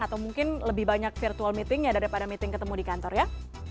atau mungkin lebih banyak virtual meetingnya daripada meeting ketemu di kantor ya